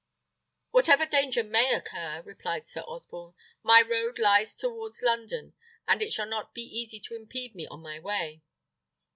"Whatever danger may occur," replied Sir Osborne, "my road lies towards London, and it shall not be easy to impede me on my way."